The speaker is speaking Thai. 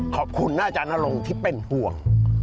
ขอบคุณนะอาจารย์นรงค์ที่เป็นห่วง